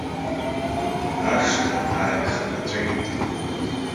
Ашҭа ааихнаҵәеит.